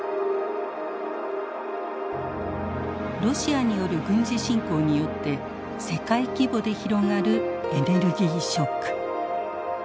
ロシアによる軍事侵攻によって世界規模で広がるエネルギーショック。